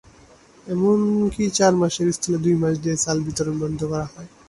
এমনকি চার মাসের স্থলে দুই মাস দিয়ে চাল বিতরণ বন্ধ করা হয়।